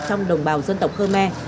trong đồng bào dân tộc khơ me